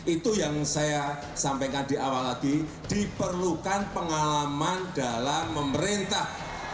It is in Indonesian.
itu yang saya sampaikan di awal lagi diperlukan pengalaman dalam memerintah